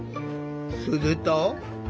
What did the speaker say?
すると。